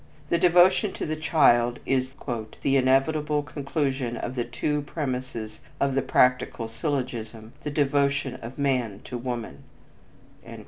The devotion to the child is "the inevitable conclusion of the two premises of the practical syllogism, the devotion of man to woman."